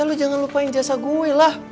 ya lo jangan lupain jasa gue lah